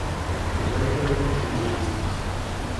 The regular ecclesiastics.